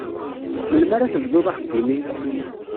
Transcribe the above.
Melmi ara tebduḍ axeddim-im?